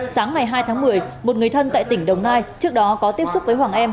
sáng ngày hai tháng một mươi một người thân tại tỉnh đồng nai trước đó có tiếp xúc với hoàng em